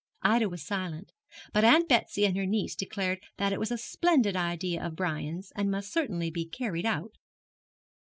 Ida was silent, but Aunt Betsy and her niece declared that it was a splendid idea of Brian's, and must certainly be carried out.